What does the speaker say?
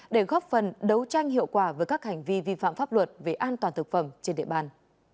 để góp phần đấu tranh hiệu quả với các hành vi vi phạm pháp luật về an toàn thực phẩm trên địa bàn